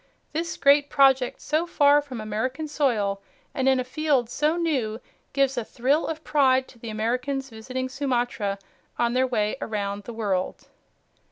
This great project so far from American soil and in a field so new gives a thrill of pride to the Americans visiting Sumatra on their way around the world.